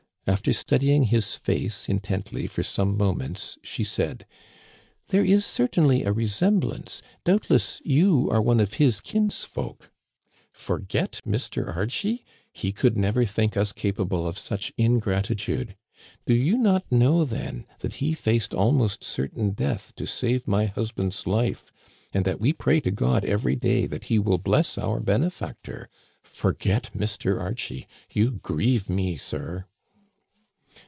After studying his face intently for some moments, she said ;" There is certainly a resemblance. Doubtless you are one of his kinsfolk. Forget Mr. Archie I He could never think us capable of such ingratitude. Do you not know, then, that he faced almost certain death to save my husband's life, and that we pray to God every day that he will bless our benefactor.? Forget Mr. Archie ! You grieve me, sir."